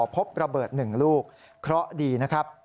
พบระเบิด๑ลูกเคราะห์ดีนะครับ